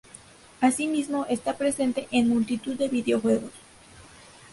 Asimismo está presente en multitud de videojuegos.